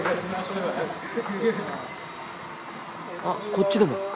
あっこっちでも。